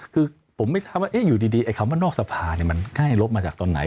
คือผมไม่ทราบว่าอยู่ดีไอ้คำว่านอกสภามันใกล้ลบมาจากตอนไหน